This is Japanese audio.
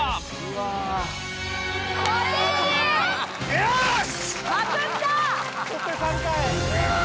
よし！